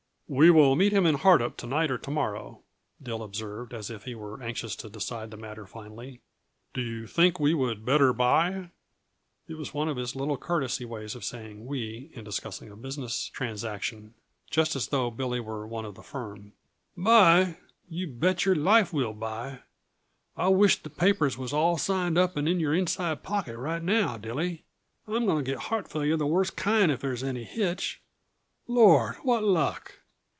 "We will meet him in Hardup to night or to morrow," Dill observed, as if he were anxious to decide the matter finally. "Do you think we would better buy?" It was one of his little courteous ways to say "we" in discussing a business transaction, just as though Billy were one of the firm. "Buy? You bet your life we'll buy! I wisht the papers was all signed up and in your inside pocket right now, Dilly. I'm going to get heart failure the worst kind if there's any hitch. Lord, what luck!"